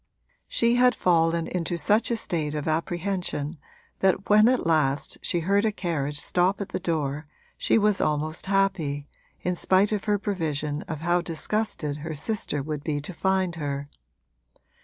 She had fallen into such a state of apprehension that when at last she heard a carriage stop at the door she was almost happy, in spite of her prevision of how disgusted her sister would be to find her.